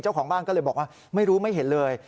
เจ้าของบ้านก็เลยบอกว่าไม่รู้ไม่เห็นเลย